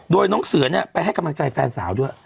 โดยน้องเสือเนี่ยไปให้กำลังใจแฟนสาวด้วย